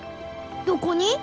どこに？